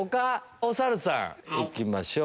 おサルさん行きましょう。